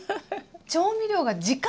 調味料が時間！